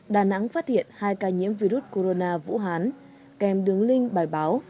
đà nẵng phát hiện hai ca nhiễm virus corona vũ hán kèm đường link bài báo